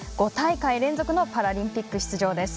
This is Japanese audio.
５大会連続のパラリンピック出場。